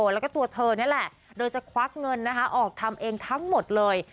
แล้วก็ตัวเธอนี่แหละโดยจะควักเงินนะคะออกทำเองทั้งหมดเลย